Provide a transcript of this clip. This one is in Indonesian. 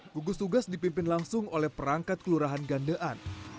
gugus tugas dipimpin langsung oleh perangkat kelurahan gandean